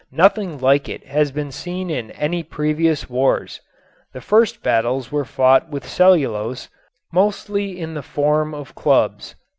Nothing like it has been seen in any previous wars. The first battles were fought with cellulose, mostly in the form of clubs.